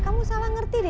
kamu salah ngerti deh